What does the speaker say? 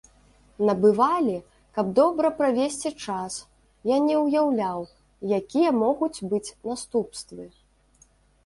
Набывалі, каб добра правесці час, я не ўяўляў, якія могуць быць наступствы.